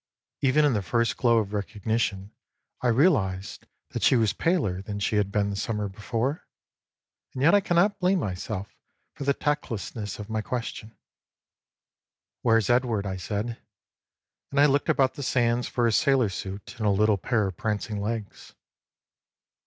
Even in the first glow of recognition I realised that she was paler than she had been the summer before, and yet I cannot blame myself for the tactlessness of my question. u Where's Edward ?" I said ; and I looked about the sands for a sailor suit and a little pair of prancing legs.